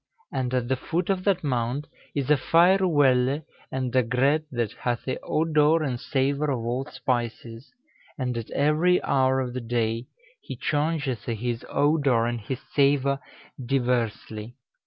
And at the foot of that Mount is a fayr welle and a gret, that hathe odour and savour of all spices; and at every hour of the day, he chaungethe his odour and his savour dyversely.